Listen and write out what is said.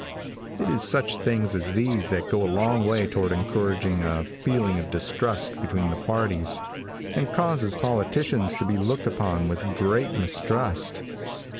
It is such things as these that go a long way toward encouraging a feeling of distrust between the parties, and causes politicians to be looked upon with great mistrust..